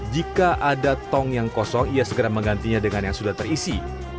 jika ada tong yang kosong ia segera menggantinya dengan yang sudah terisi